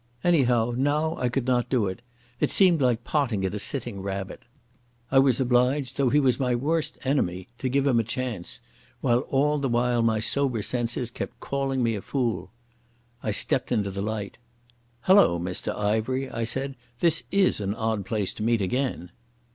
Anyhow now I could not do it. It seemed like potting at a sitting rabbit. I was obliged, though he was my worst enemy, to give him a chance, while all the while my sober senses kept calling me a fool. I stepped into the light. "Hullo, Mr Ivery," I said. "This is an odd place to meet again!"